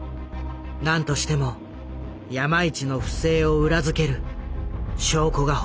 何としても山一の不正を裏付ける証拠が欲しい。